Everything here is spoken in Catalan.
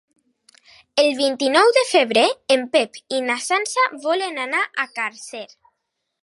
El vint-i-nou de febrer en Pep i na Sança volen anar a Càrcer.